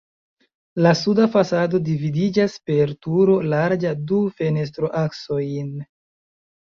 La suda fasado dividiĝas per turo larĝa du fenestroaksojn.